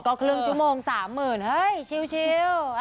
ก็ครึ่งชั่วโมง๓๐๐๐เฮ้ยชิล